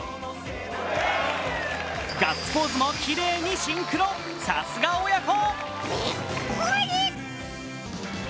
ガッツポーズもきれいにシンクロ、さすが親子。